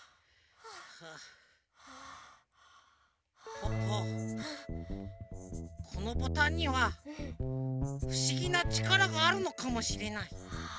ポッポこのボタンにはふしぎなちからがあるのかもしれない。